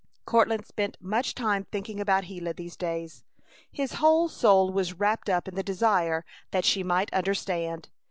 Courtland spent much time thinking about Gila these days. His whole soul was wrapped up in the desire that she might understand.